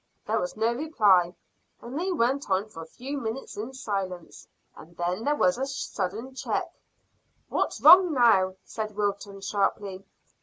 There was no reply, and they went on for a few minutes in silence, and then there was a sudden check. "What's wrong now?" said Wilton sharply.